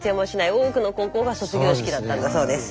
多くの高校が卒業式だったんだそうです。